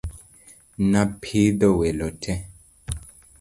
Napidho welo te.